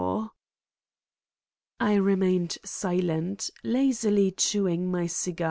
I remained silent, lazily chewing my cigar.